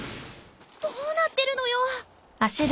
どうなってるのよ！？